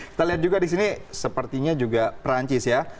kita lihat juga di sini sepertinya juga perancis ya